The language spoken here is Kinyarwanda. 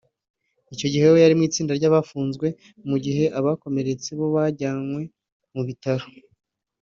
Icyo gihe we yari mu itsinda ry’abafunzwe mu gihe abakomeretse bo bajyanwe mu bitaro